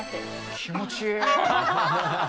気持ちいい。